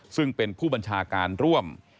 ซึ่งเป็นผู้บัญชาการร่วม